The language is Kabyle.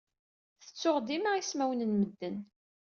Tettuɣ dima ismawen n medden.